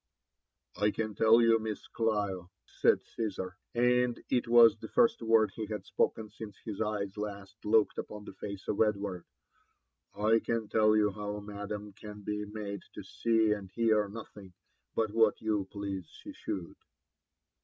'' I can tell you. Miss Clio," said C»sar, and it was the first word he had spoken since his eyes last looked upon the face of Edward, «I can tell you bow madam can be made to see atid hear nothing but what you please she should."